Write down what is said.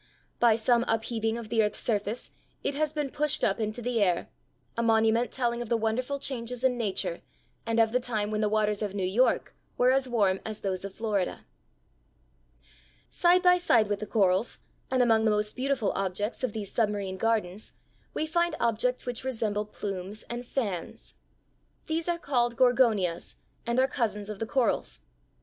By some upheaving of the earth's surface it has been pushed up into the air, a monument telling of the wonderful changes in nature and of the time when the waters of New York were as warm as those of Florida. [Illustration: FIG. 40. Surface of sea fan, enlarged.] Side by side with the corals and among the most beautiful objects of these submarine gardens, we find objects which resemble plumes and fans (Fig. 41). These are called Gorgonias, and are cousins of the corals.